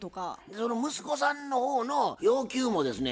その息子さんの方の要求もですね